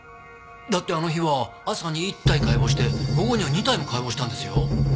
だってあの日は朝に１体解剖して午後には２体も解剖したんですよ？